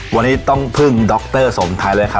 วันนี้ต้องพึ่งด็อกเตอร์สมท้ายเลยครับ